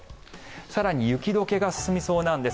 更に雪解けが進みそうなんです。